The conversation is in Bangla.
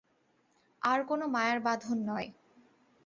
আর কোনো মায়ার বাঁধন নয়।